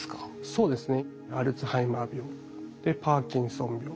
そうですね。